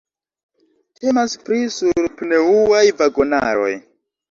Temas pri sur-pneŭaj vagonaroj.